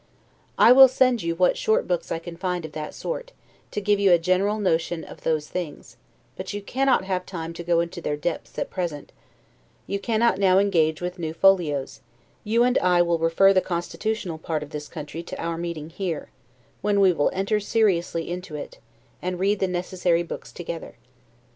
I will send you what short books I can find of that sort, to give you a general notion of those things: but you cannot have time to go into their depths at present you cannot now engage with new folios; you and I will refer the constitutional part of this country to our meeting here, when we will enter seriously into it, and read the necessary books together.